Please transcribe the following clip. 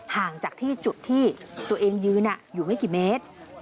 ห่างจากที่จุดที่ตัวเองยืนอยู่ไม่กี่เมตร